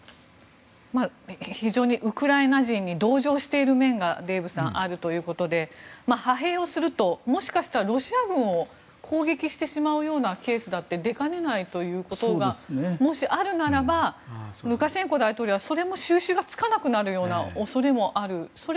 非常にウクライナ人に同情している面がデーブさん、あるということで派兵をすると、もしかしたらロシア軍を攻撃してしまうケースだって出かねないということがもしあるならばルカシェンコ大統領はそれも収拾がつかなくなるような恐れもある。